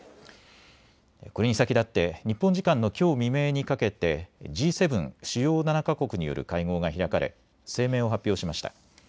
これに先立って日本時間のきょう未明にかけてＧ７・主要７か国による会合が開かれ声明を発表しました。